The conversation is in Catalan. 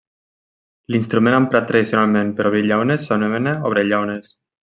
L'instrument emprat tradicionalment per obrir llaunes s'anomena obrellaunes.